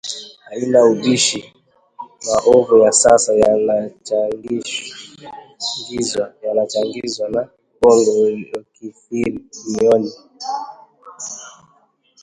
Haina ubishi, maovu ya sasa yanachagizwa na uongo uliokithiri mioyoni